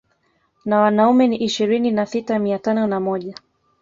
Na wanaume ni ishirini na sita mia tano na moja